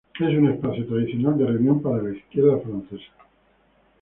Es un espacio tradicional de reunión para la izquierda francesa.